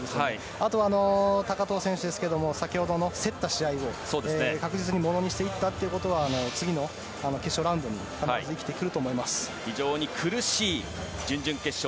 あとは高藤選手ですが先ほどの競った試合を確実にものにしていったことは次の決勝ラウンドに生きてくると思います。